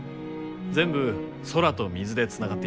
全部空と水でつながっていて。